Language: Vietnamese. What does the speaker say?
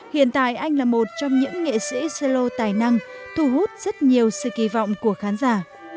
hiện tại anh là một trong những nghệ sĩ xe lô tài năng thu hút rất nhiều sự kỳ vọng của khán giả